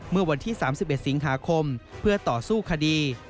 เมื่อวันที่๓๑สิงหาคมเพื่อต่อสู้คดี